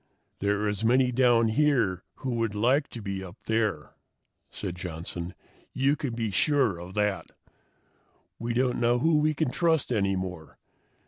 "There are as many down here who would like to be up there," said Johnson. "You can be sure of that. We don't know who we can trust any more.